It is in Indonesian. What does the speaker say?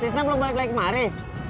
sistem belum balik lagi kemari